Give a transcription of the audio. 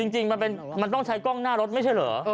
จริงมันต้องใช้กล้องหน้ารถไม่ใช่เหรอ